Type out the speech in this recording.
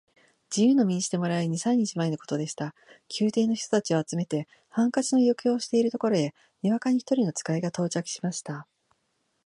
自由の身にしてもらえる二三日前のことでした。宮廷の人たちを集めて、ハンカチの余興をしているところへ、にわかに一人の使が到着しました。